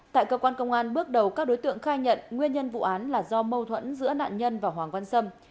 tại cơ quan công an bước đầu các đối tượng khai nhận nguyên nhân vụ án là do mâu thuẫn giữa nạn nhân và hoàng văn sâm